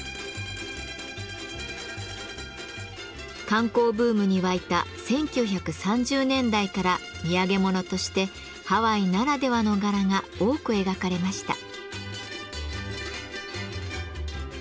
観光ブームに沸いた１９３０年代から土産物としてハワイならではの柄が多く描かれました。